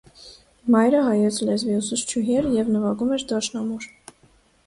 Մայրը հայոց լեզվի ուսուցչուհի էր և նվագում էր դաշնամուր։